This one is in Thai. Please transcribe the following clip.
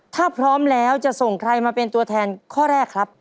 ถ้าพร้อมแล้วจะส่งใครมาเป็นตัวแทนข้อแรกครับ